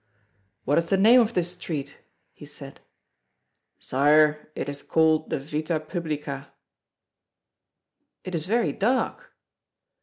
"What is the name of this street?" he said. "Sire, it is called the Vita Publica." "It is very dark."